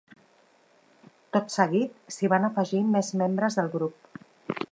Tot seguit, s’hi van afegir més membres del grup.